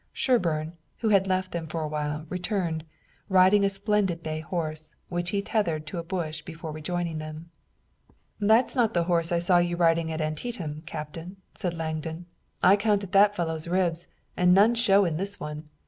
Sherburne, who had left them a while, returned, riding a splendid bay horse, which he tethered to a bush before rejoining them. "That's not the horse I saw you riding at Antietam, Captain," said Langdon. "I counted that fellow's ribs, and none show in this one.